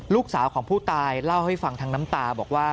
ลูกสาวของผู้ตายเล่าให้ฟังทั้งน้ำตาบอกว่า